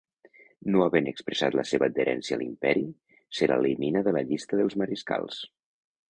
No havent expressat la seva adherència a l'imperi, se l'elimina de la llista dels mariscals.